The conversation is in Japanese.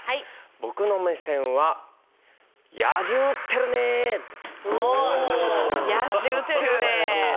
僕の目線は「野獣ってるねー！」。